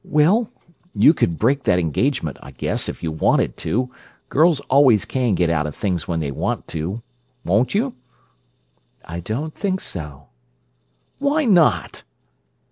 "Well, you could break that engagement, I guess, if you wanted to! Girls always can get out of things when they want to. Won't you?" "I don't think so." "Why not?"